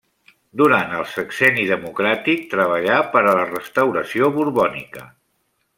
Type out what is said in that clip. Durant el sexenni democràtic treballà per a la restauració borbònica.